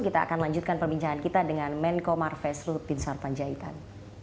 kita akan lanjutkan perbincangan kita dengan menko marves lut bin sarpanjaitan